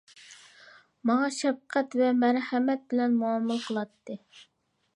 ماڭا شەپقەت ۋە مەرھەمەت بىلەن مۇئامىلە قىلاتتى.